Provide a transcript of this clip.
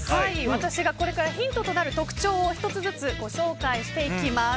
私がこれからヒントとなる特徴を１つずつご紹介していきます。